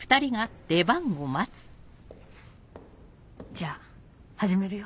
じゃあ始めるよ。